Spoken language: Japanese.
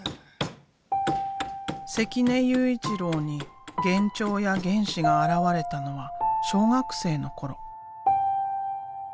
関根悠一郎に幻聴や幻視が現れたのは小学生の頃。